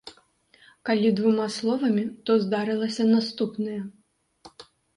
Калі двума словамі, то здарылася наступнае.